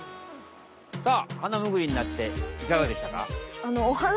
さあハナムグリになっていかがでしたか？